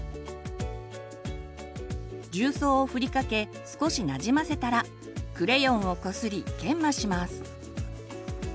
重曹をふりかけ少しなじませたらクレヨンをこすり研磨します。